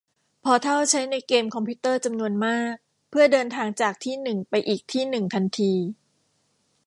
พอร์ทัลใช้ในเกมคอมพิวเตอร์จำนวนมากเพื่อเดินทางจากที่หนึ่งไปอีกที่หนึ่งทันที